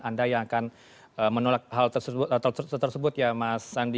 anda yang akan menolak hal tersebut ya mas andi